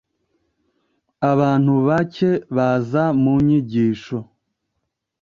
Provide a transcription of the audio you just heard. abantu bake baza mu nyigisho